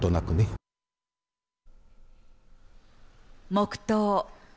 黙とう。